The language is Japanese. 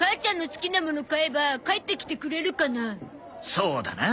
そうだな。